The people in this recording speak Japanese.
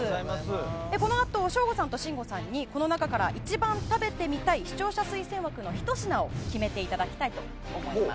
このあと、省吾さんと信五さんにこの中から一番食べてみたい視聴者推薦枠の１品をこのあと決めていただきたいと思います。